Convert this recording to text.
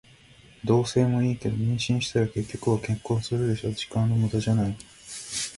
同棲もいいけど、妊娠したら結局は結婚するでしょ。時間の無駄じゃない？